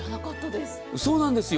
そうなんですよ。